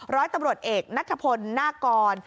ร้อยตำรวจเอกนัทพลนากร